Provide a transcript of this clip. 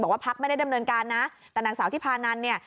บอกว่าภักดิ์ไม่ได้ดำเนินการนะแต่นางสาวทิพานันเนี่ย